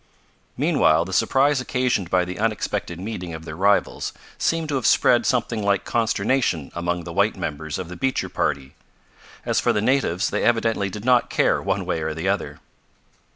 Meanwhile the surprise occasioned by the unexpected meeting of their rivals seemed to have spread something like consternation among the white members of the Beecher party. As for the natives they evidently did not care one way or the other.